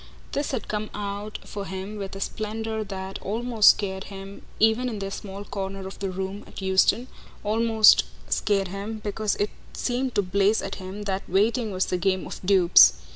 This had come out for him with a splendour that almost scared him even in their small corner of the room at Euston almost scared him because it just seemed to blaze at him that waiting was the game of dupes.